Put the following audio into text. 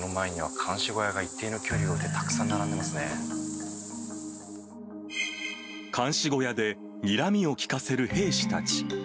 監視小屋でにらみを利かせる兵士たち。